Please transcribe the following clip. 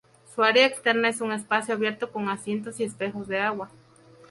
Su área externa es un espacio abierto con asientos y espejos de agua.